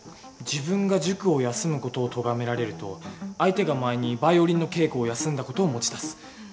自分が塾を休む事をとがめられると相手が前にヴァイオリンの稽古を休んだ事を持ち出す。